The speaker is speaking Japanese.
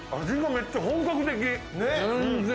味がめっちゃ本格的。